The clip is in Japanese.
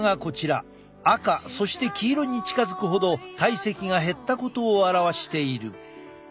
赤そして黄色に近づくほど体積が減ったことを表している。